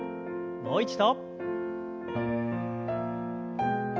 もう一度。